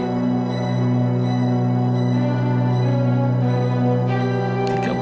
saya keberusahaan mencari uang sendiri